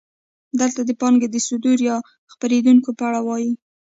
دلته د پانګې د صدور یا خپرېدو په اړه وایو